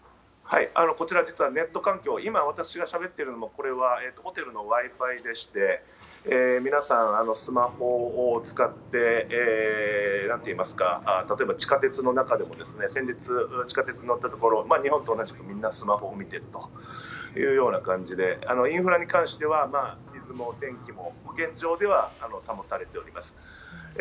こちら、実はネット環境、今、私がしゃべってるのも、これはホテルのＷｉ−Ｆｉでして、皆さんスマホを使って、なんていいますか、例えば地下鉄の中でも、先日、地下鉄に乗ったところ、日本と同じくみんなスマホを見ているというような感じで、インフラに関しては、水も電気も現状では保たれております。